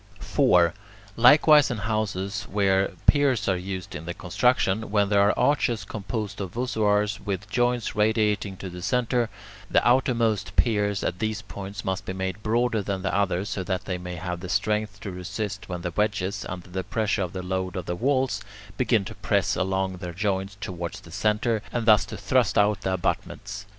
4. Likewise in houses where piers are used in the construction, when there are arches composed of voussoirs with joints radiating to the centre, the outermost piers at these points must be made broader than the others, so that they may have the strength to resist when the wedges, under the pressure of the load of the walls, begin to press along their joints towards the centre, and thus to thrust out the abutments.